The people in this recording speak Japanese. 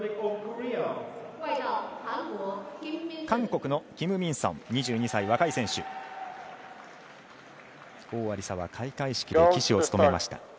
韓国のキム・ミンソン２２歳若い選手、郷亜里砂は開会式で旗手を務めました。